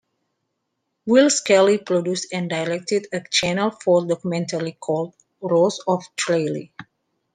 Will Scally produced and directed a Channel Four documentary called "Rose of Tralee".